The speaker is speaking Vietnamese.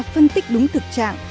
phân tích đúng thực trạng